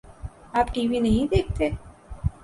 آ پ TV نہیں دیکھتے؟